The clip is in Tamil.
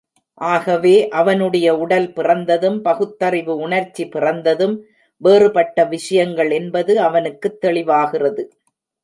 ஆகவே, அவனுடைய உடல் பிறந்ததும், பகுத்தறிவு உணர்ச்சி பிறந்ததும் வேறுபட்ட விஷயங்கள் என்பது அவனுக்குத் தெளிவாகிறது.